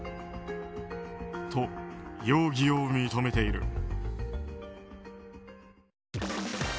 と、容疑を認めている。